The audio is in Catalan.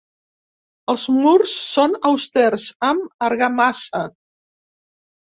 Els murs són austers amb argamassa.